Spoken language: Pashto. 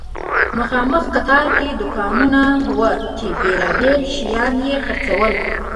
مخامخ قطار کې دوکانونه وو چې بیلابیل شیان یې خرڅول.